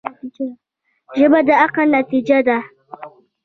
ژبه د عقل نتیجه ده